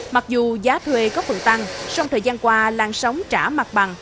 mặc dù giá thuê có phần tăng song thời gian qua lan sóng trả mặt bằng